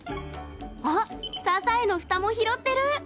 あっ、サザエのふたも拾ってる。